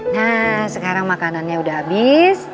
nah sekarang makanannya udah habis